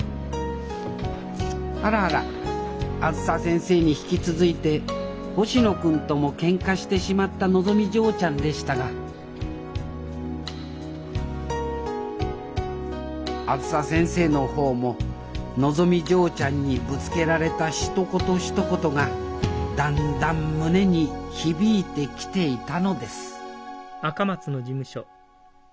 あらあらあづさ先生に引き続いて星野君ともケンカしてしまったのぞみ嬢ちゃんでしたがあづさ先生の方ものぞみ嬢ちゃんにぶつけられたひと言ひと言がだんだん胸に響いてきていたのですうんチッ。